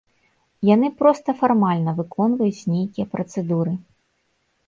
Яны проста фармальна выконваюць нейкія працэдуры.